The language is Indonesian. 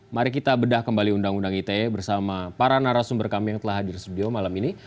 mari kita bedah kembali undang undang ite bersama para narasumber kami yang telah hadir di studio malam ini